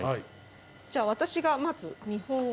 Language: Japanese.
じゃあ私がまず見本を。